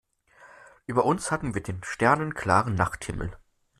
Über uns hatten wir den sternenklaren Nachthimmel.